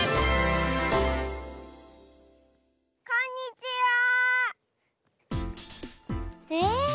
こんにちは！え？